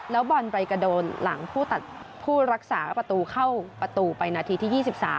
แล้วบอลไปกระโดนหลังผู้ตัดผู้รักษาประตูเข้าประตูไปนาทีที่๒๓